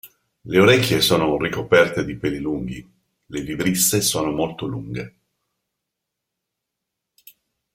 Le orecchie sono ricoperte di peli lunghi, le vibrisse sono molto lunghe.